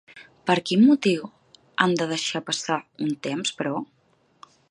Per quin motiu han de deixar passar un temps, però?